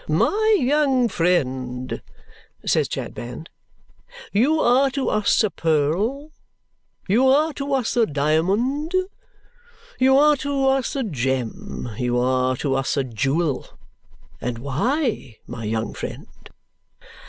"My young friend," says Chadband, "you are to us a pearl, you are to us a diamond, you are to us a gem, you are to us a jewel. And why, my young friend?"